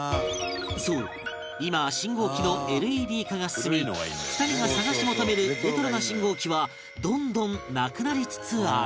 そう今は信号機の ＬＥＤ 化が進み２人が探し求めるレトロな信号機はどんどんなくなりつつある